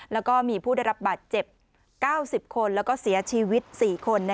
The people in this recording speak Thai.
แล้วก็มีผู้ได้รับบาดเจ็บ๙๐คนแล้วก็เสียชีวิต๔คน